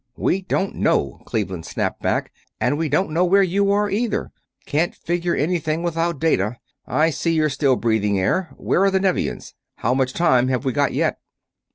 "We don't know," Cleveland snapped back, "and we don't know where you are, either. Can't figure anything without data. I see you're still breathing air. Where are the Nevians? How much time have we got yet?"